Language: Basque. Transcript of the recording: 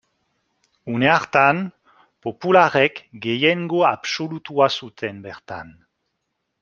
Une hartan, popularrek gehiengo absolutua zuten bertan.